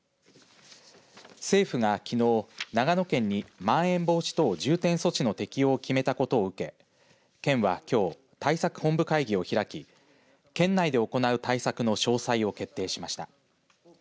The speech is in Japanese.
政府が、きのう長野県にまん延防止等重点措置の適用を決めたことを受け県はきょう対策本部会議を開き県内で行う対策の詳細を決定しました。